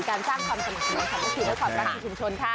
การสร้างความสนุกของความประสิทธิ์และความรักของชุมชนค่ะ